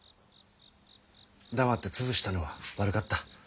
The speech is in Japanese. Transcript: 黙って潰したのは悪かった。